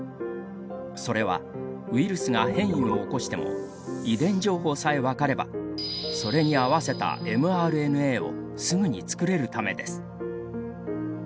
それはウイルスが変異を起こしても遺伝情報さえ分かればそれに合わせたｍＲＮＡをすぐに作れるためです。